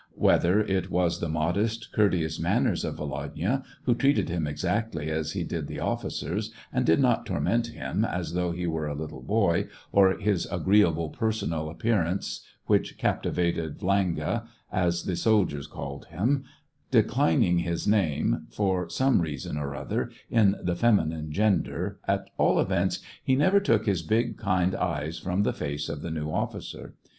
Whether it was the modest, courteous manners of Volodya, who treated him exactly as he did the officers, and did not torment him as though he were a little boy, or his agreeable personal ap pearance which captivated Vlang<^, as the soldiers called him, declining his name, for some reason or other, in the feminine gender, at all events, he never took his big, kind eyes from the face of the new officer.